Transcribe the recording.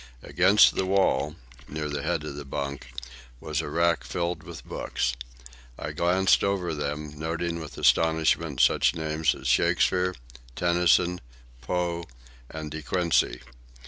Against the wall, near the head of the bunk, was a rack filled with books. I glanced over them, noting with astonishment such names as Shakespeare, Tennyson, Poe, and De Quincey.